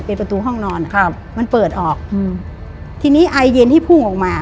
เป็นประตูห้องนอนครับมันเปิดออกอืมทีนี้ไอเย็นที่พุ่งออกมา